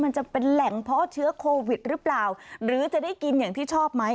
มันจะเป็นแหล่งเพาะเชื้อโควิดหรือเปล่าหรือจะได้กินอย่างที่ชอบไหม